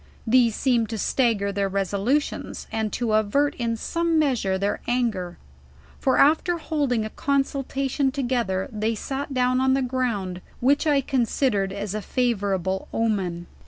These seemed to stagger their resolutions, and to avert in some measure their anger; for after holding a consultation together, they eat down on the ground, which Iconsiderad as a favorable omen.